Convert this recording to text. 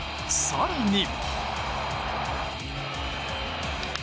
更に。